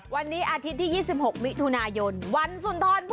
วันนี้อาทิตย์ที่๒๖มิถุนายนวันสุนทร